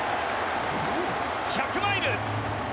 １００マイル！